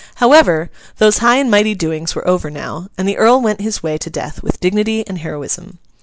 However, those high and mighty doings were over now, and the Earl went his way to death with dignity and heroism.